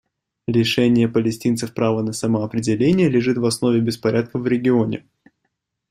Лишение палестинцев права на самоопределение лежит в основе беспорядков в регионе.